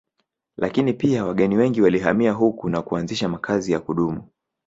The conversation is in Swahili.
Lakini pia wageni wengi walihamia huku na kuanzisha makazi ya kudumu